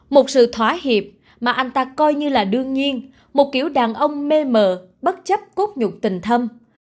một sự thỏa hiệp mà anh ta coi như là đương nhiên một kiểu đàn ông mê mờ bất chấp cút nhục tình thâm